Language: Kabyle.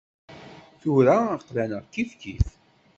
Tura aql-aneɣ kifkif.